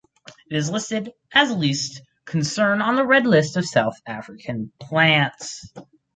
It is listed as least concern on the Red List of South African Plants.